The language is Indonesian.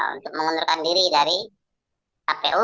untuk mengundurkan diri dari kpu